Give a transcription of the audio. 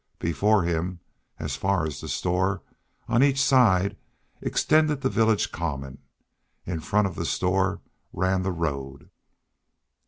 Before him, as far as the store, and on each side, extended the village common. In front of the store ran the road.